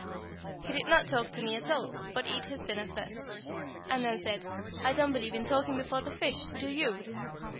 He did not talk to me at all, but eat his dinner at first, and then said: "I don't believe in talking before the fish, do you?"